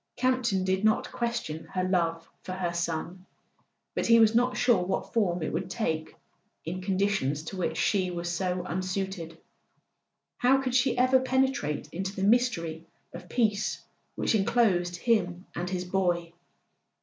Campton did not question her love for her son; but he was not sure what form it would take in conditions to which she was so unsuited. How could she ever penetrate into the mystery of peace which enclosed him and his boy